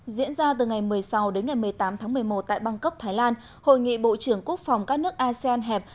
diễn ra từ ngày một mươi sáu đến ngày một mươi tám tháng một mươi một tại bangkok thái lan hội nghị bộ trưởng quốc phòng các nước asean hẹp